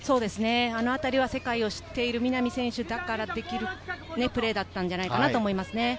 あのあたりは世界を知っている南選手ならではのプレーだったのではないかと思います。